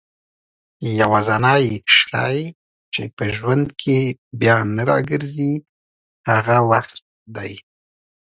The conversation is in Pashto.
يوازينی شی چي په ژوند کي بيا نه راګرځي هغه وخت دئ